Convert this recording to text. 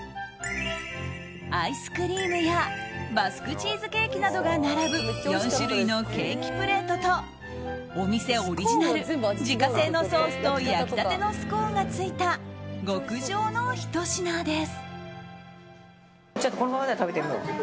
アイスクリームやバスクチーズケーキなどが並ぶ４種類のケーキプレートとお店オリジナル自家製のソースと焼き立てのスコーンがついた極上のひと品です。